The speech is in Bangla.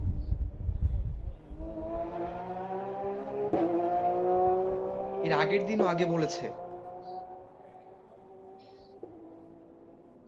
এর আগের দিনও আগে বলেছে!